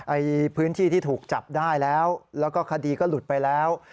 ในพื้นที่ที่ถูกจับได้แล้วแล้วก็คดีก็หลุดไปแล้ว